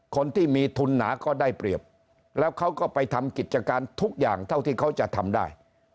คนที่มีทุนหนาก็ได้เปรียบแล้วเขาก็ไปทำกิจการทุกอย่างเท่าที่เขาจะทำได้